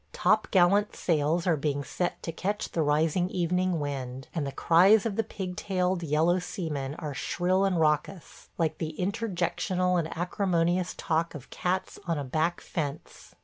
Top gallant sails are being set to catch the rising evening wind, and the cries of the pig tailed yellow seamen are shrill and raucous, like the interjectional and acrimonious talk of cats on a back fence.